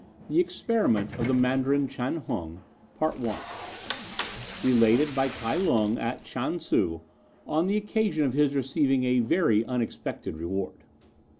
THE EXPERIMENT OF THE MANDARIN CHAN HUNG Related by Kai Lung at Shan Tzu, on the occasion of his receiving a very unexpected reward.